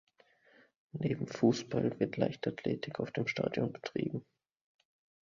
Neben Fußball wird Leichtathletik auf dem Stadion betrieben.